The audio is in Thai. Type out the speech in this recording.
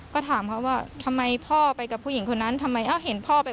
ก็ถามเขาว่าทำไมพ่อไปกับผู้หญิงคนนั้นทำไมเอ้าเห็นพ่อไป